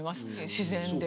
自然で。